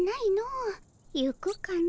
行くかの。